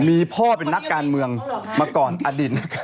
มีพ่อเป็นนักการเมืองมาก่อนอดีต